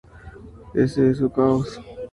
Ese es su caos.